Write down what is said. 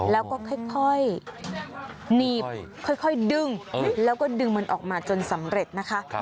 แล้วก็ค่อยหนีบค่อยดึงแล้วก็ดึงมันออกมาจนสำเร็จนะคะ